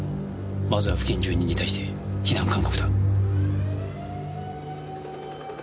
まずは付近住人に対して避難勧告だ。